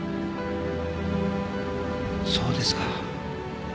そうですか。